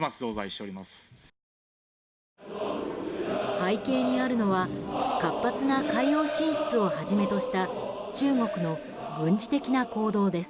背景にあるのは活発な海洋進出をはじめとした中国の軍事的な行動です。